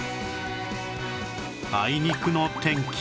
あいにくの天気